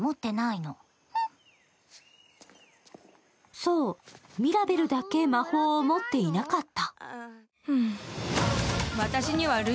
そう、ミラベルだけ魔法を持っていなかった。